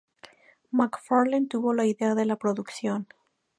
MacFarlane tuvo la idea de la producción.